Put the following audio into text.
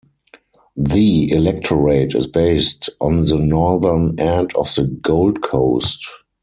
The electorate is based on the northern end of the Gold Coast.